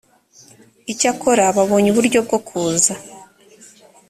icyakora babonye uburyo bwo kuza